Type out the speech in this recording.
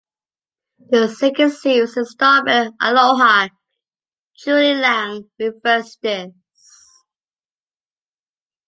The second series installment, "Aloha, Julie Lang," reversed this.